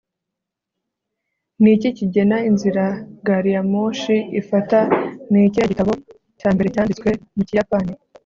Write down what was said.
Niki kigena inzira gari ya moshi ifata Ni ikihe gitabo cya mbere cyanditswe mu Kiyapani